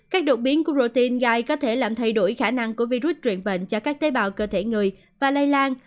các đột biến của rotin gai có thể làm thay đổi khả năng của virus truyền bệnh cho các tế bào cơ thể người và lây lan